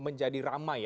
apa yang anda lakukan